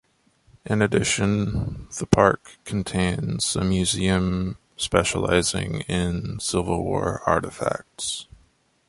In addition, the park contains a museum specializing in Civil War artifacts.